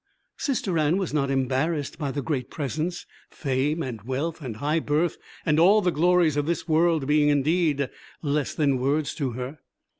Sister Anne was not embarrassed by the great presence, fame and wealth and high birth and all the glories of this world being indeed less than words to her.